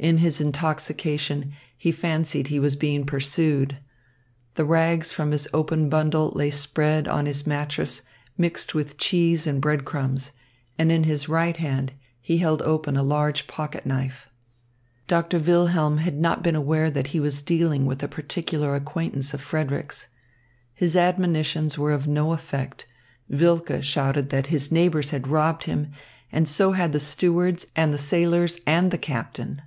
In his intoxication he fancied he was being pursued. The rags from his open bundle lay spread on his mattress mixed with cheese and bread crumbs, and in his right hand he held open a large pocket knife. Doctor Wilhelm had not been aware that he was dealing with a particular acquaintance of Frederick's. His admonitions were of no effect. Wilke shouted that his neighbours had robbed him, and so had the stewards, and the sailors and the captain.